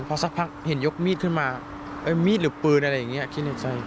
พอสักพักเห็นยกมีดขึ้นมามีดหรือปืนอะไรอย่างนี้คิดในใจ